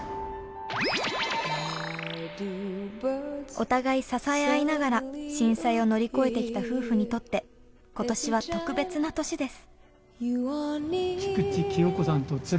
お互い支え合いながら震災を乗り越えてきた夫婦にとって今年は特別な年です。